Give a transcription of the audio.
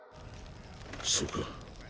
そうか。